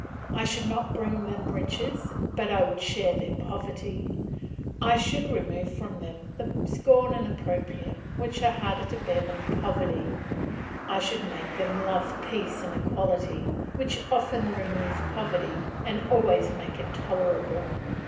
I should not bring them riches, but I should share their poverty; I should remove from them the scorn and opprobrium which are harder to bear than poverty. I should make them love peace and equality, which often remove poverty, and always make it tolerable.